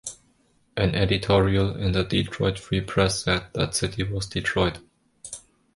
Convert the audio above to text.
An editorial in the "Detroit Free Press" said that city was Detroit.